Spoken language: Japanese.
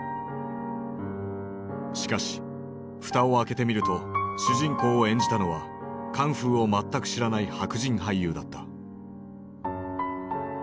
しかし蓋を開けてみると主人公を演じたのはカンフーを全く知らない白人俳優だった。